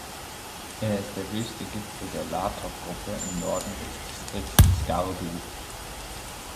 Er ist der höchste Gipfel der Latok-Gruppe im Norden des Distrikts Skardu.